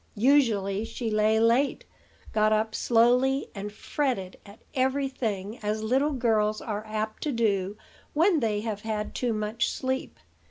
Usually she lay late, got up slowly and fretted at every thing as little girls are apt to do when they have had too much sleep.